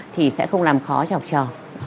thì sẽ không làm khó cho học trò